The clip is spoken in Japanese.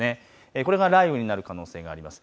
これが雷雨になる可能性があります。